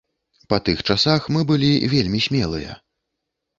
Па тых часах мы былі вельмі смелыя.